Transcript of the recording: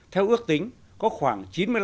theo ước tính có khoảng chín mươi năm